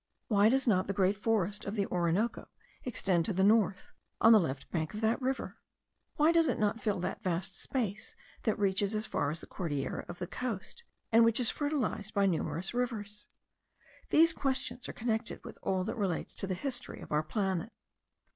Why does not the great forest of the Orinoco extend to the north, on the left bank of that river? Why does it not fill that vast space that reaches as far as the Cordillera of the coast, and which is fertilized by numerous rivers? These questions are connected with all that relates to the history of our planet.